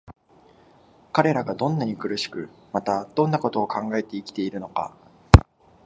彼等がどんなに苦しく、またどんな事を考えて生きているのか、